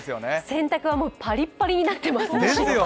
洗濯物はパリッパリになってます。